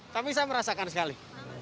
tapi saya merasakan sekali